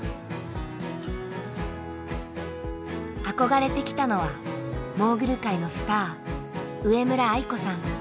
憧れてきたのはモーグル界のスター上村愛子さん。